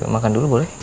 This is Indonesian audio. makan dulu boleh